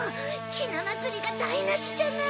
ひなまつりがだいなしじゃない！